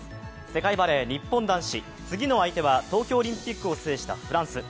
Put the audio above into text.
世界バレー日本男子、次の相手は東京オリンピックを制したフランス。